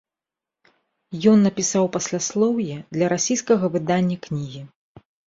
Ён напісаў пасляслоўе для расійскага выдання кнігі.